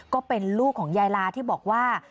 ก็เป็นลูกของยายลาที่บอกว่า